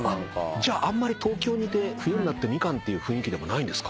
じゃああんまり東京にいて冬になってミカンっていう雰囲気でもないんですか？